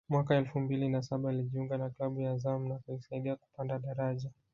mwaka elfu mbili na saba alijiunga na klabu ya Azam na kuisaidia kupanda daraja